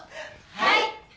はい！